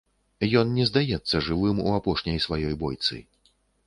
Ён не здаецца жывым у апошняй сваёй бойцы.